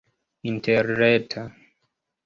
interreta